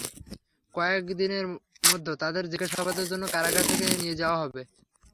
কয়েক দিনের মধ্যে তাঁদের জিজ্ঞাসাবাদের জন্য কারাগার থেকে নিয়ে যাওয়া হবে।